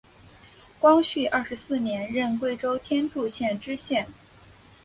光绪二十四年任贵州天柱县知县。